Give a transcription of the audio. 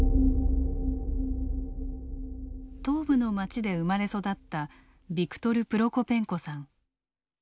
東部の街で生まれ育ったビクトル・プロコペンコさん。